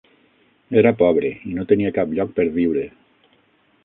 Era pobre i no tenia cap lloc per viure.